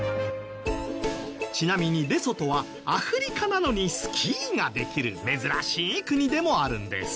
ちなみにレソトはアフリカなのにスキーができる珍しい国でもあるんです。